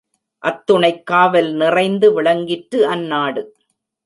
அத்துணைக் காவல் நிறைந்து விளங்கிற்று அந்நாடு.